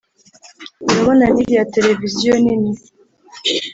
urabona n’iriya televiziyo nini